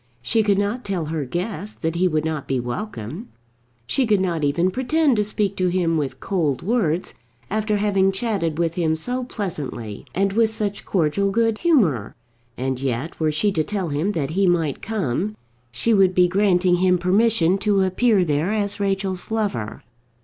She could not tell her guest that he would not be welcome. She could not even pretend to speak to him with cold words after having chatted with him so pleasantly, and with such cordial good humour; and yet, were she to tell him that he might come, she would be granting him permission to appear there as Rachel's lover.